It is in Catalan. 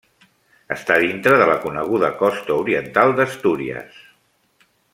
Està dintre de la coneguda Costa oriental d'Astúries.